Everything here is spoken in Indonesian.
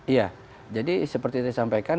iya jadi seperti disampaikan